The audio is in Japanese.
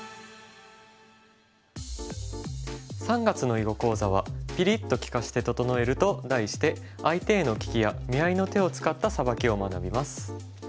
３月の囲碁講座は「ピリッ！と利かして整える」と題して相手への利きや見合いの手を使ったサバキを学びます。